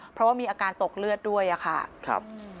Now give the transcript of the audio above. เพราะว่ามีอาการตกเลือดด้วยค่ะ